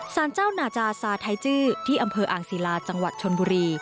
เจ้านาจาซาไทยจื้อที่อำเภออ่างศิลาจังหวัดชนบุรี